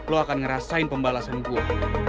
lo akan ngerasain pembalasan gue